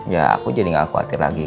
ya aku jadi gak khawatir lagi